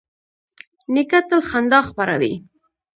نیکه تل خندا خپروي.